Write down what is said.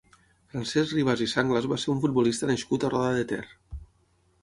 Francesc Ribas i Sanglas va ser un futbolista nascut a Roda de Ter.